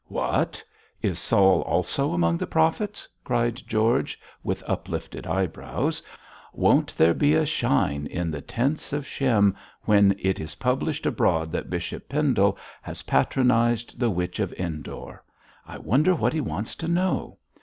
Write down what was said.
'What! is Saul also among the prophets?' cried George, with uplifted eyebrows. 'Won't there be a shine in the tents of Shem when it is published abroad that Bishop Pendle has patronised the Witch of Endor. I wonder what he wants to know.